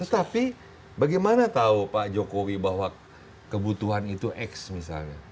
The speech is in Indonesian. tapi bagaimana tahu pak jokowi bahwa kebutuhan itu x misalnya